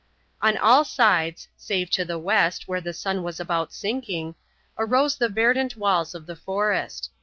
On all sides—save to the west, where the sun was about sinking—arose the verdant walls of the forest.